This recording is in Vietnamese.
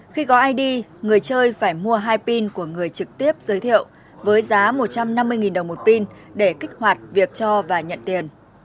khi có id người chơi phải mua hai pin của người trực tiếp giới thiệu với giá một trăm năm mươi đồng một pin để kích hoạt việc cho và nhận tiền